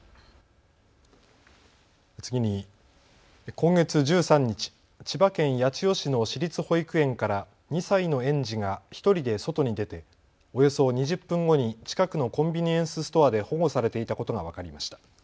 次に今月１３日、千葉県八千代市の私立保育園から２歳の園児が１人で外に出ておよそ２０分後に近くのコンビニエンスストアで保護されていたことが分かりました。